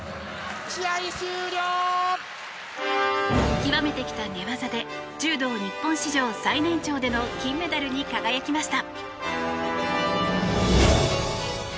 極めてきた寝技で柔道日本史上最年長での金メダルに輝きました。